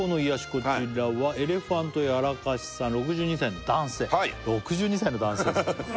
こちらはエレファントヤラカシさん６２歳の男性６２歳の男性ですよ